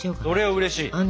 これはうれしい！